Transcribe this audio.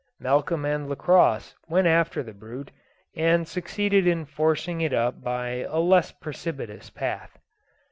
Malcolm and Lacosse went after the brute, and succeeded in forcing it up by a less precipitous path.